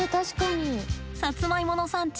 さつまいもの産地